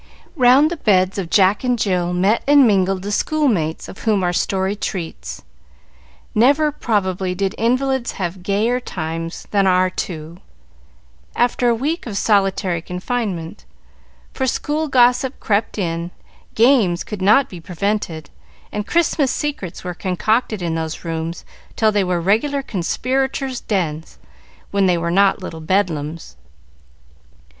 Round the beds of Jack and Jill met and mingled the schoolmates of whom our story treats. Never, probably, did invalids have gayer times than our two, after a week of solitary confinement; for school gossip crept in, games could not be prevented, and Christmas secrets were concocted in those rooms till they were regular conspirators' dens, when they were not little Bedlams.